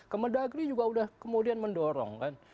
kemendagri juga sudah kemudian mendorong kan